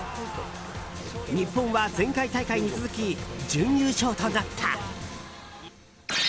日本は前回大会に続き準優勝となった。